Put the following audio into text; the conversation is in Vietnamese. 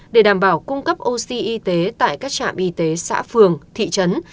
để đảm bảo cung cấp oxy y tế tại các trạm y tế xã phường thị trấn